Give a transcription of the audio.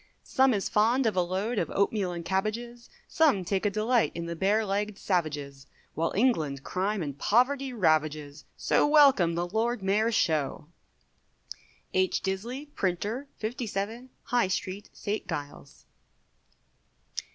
Some is fond of a load of oatmeal & cabbages, Some take a delight in the bare legg'd savages, While England crime and poverty ravages, So welcome the Lord Mayor's show. H. DISLEY, Printer, 57, High Street, St. Giles's.